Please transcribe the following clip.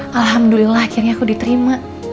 alhamdulillah akhirnya aku diterima